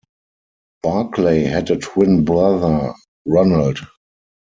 Barkley had a twin brother, Ronald.